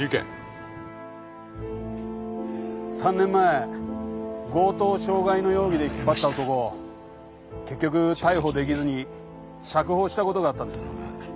３年前強盗傷害の容疑で引っ張った男を結局逮捕できずに釈放したことがあったんです。